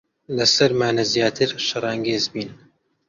لەسەرمانە زیاتر شەڕانگێز بین.